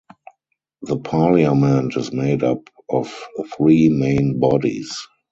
The Parliament is made up of three main bodies.